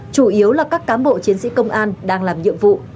chủ yếu là các cán bộ chiến sĩ công an đang làm nhiệm vụ